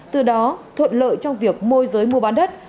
từ đó thuận lợi trong việc môi giới mua bán đất